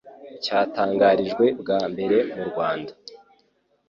cyatangarijwe bwa mbere mu Rwanda